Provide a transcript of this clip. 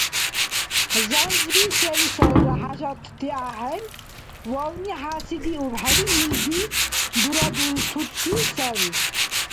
Занзби селисалра хӀяжатти ахӀен, вавни гӀясидиубхӀели илди дурадалтути сари.